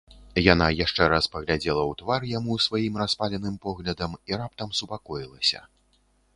Яна яшчэ раз паглядзела ў твар яму сваім распаленым поглядам і раптам супакоілася.